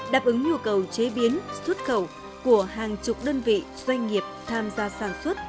đáp ứng nhu cầu chế biến xuất khẩu của hàng chục đơn vị doanh nghiệp tham gia sản xuất